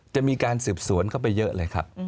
จะมีการสืบสวนเข้าไปเยอะเลยครับ